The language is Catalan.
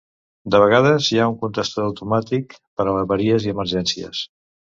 De vegades, hi ha un contestador automàtic per a avaries i emergències.